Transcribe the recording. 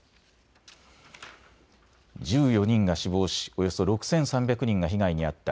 １４人が死亡しおよそ６３００人が被害に遭った